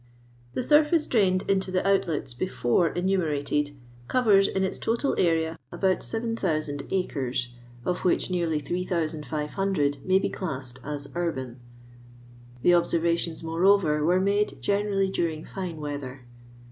The surface drained into the outlets before enumerated covers, in iu total area, about 7000 acres, of which nearly 3500 may be ckssed as urban. The observations, moreover, were made generally daring fine weather.